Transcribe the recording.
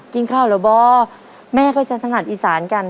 กินข้าวแล้วบ่แม่ก็จะถนัดอีสานน่ะ